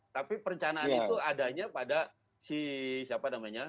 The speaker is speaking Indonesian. tapi perencanaan itu adanya pada si siapa namanya